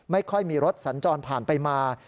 ไม่ค่อยมีรถสัญจรผ่านไปมา